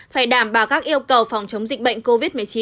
phải đảm bảo các yêu cầu phòng chống dịch bệnh covid một mươi chín